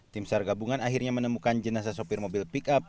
tim sargabungan akhirnya menemukan jenazah sopir mobil pick up